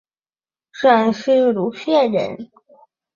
陕西户县人。